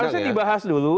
harusnya dibahas dulu